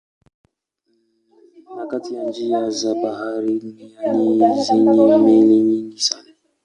Ni kati ya njia za bahari duniani zenye meli nyingi sana.